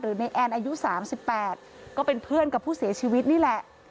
ในแอนอายุ๓๘ก็เป็นเพื่อนกับผู้เสียชีวิตนี่แหละ